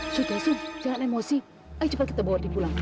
sudah sum jangan emosi ayo cepat kita bawa dia pulang